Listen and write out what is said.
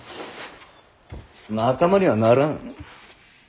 仲間にはならん。